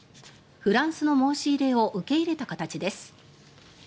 フランスの申し入れを受け入れた形です。